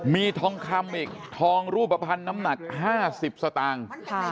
มีทองคำอีกทองรูปภัณฑ์น้ำหนัก๕๐สตางค์